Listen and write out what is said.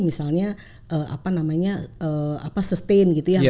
misalnya apa namanya sustain gitu ya